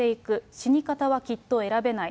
死に方はきっと選べない。